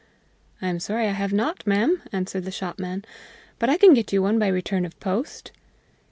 "I am sorry I have not, ma'am," answered the shopman; "but I can get you one by return of post."